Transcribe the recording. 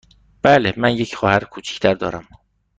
بله، من یک خواهر کوچک تر دارم.